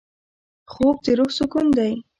خوب د روح سکون دی